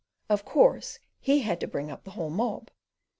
Of course, he had to bring up the whole mob.